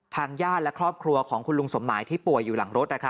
ญาติและครอบครัวของคุณลุงสมหมายที่ป่วยอยู่หลังรถ